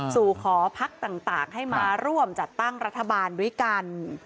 สู่ขอพักต่างให้มาร่วมจัดตั้งรัฐบาลด้วยกัน